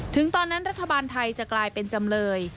ตอนนั้นรัฐบาลไทยจะกลายเป็นจำเลย